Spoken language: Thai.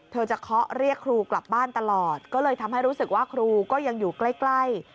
เธอจะเคาะเรียกครูกลับบ้านตลอดก็เลยทำให้รู้สึกว่าครูก็ยังอยู่ใกล้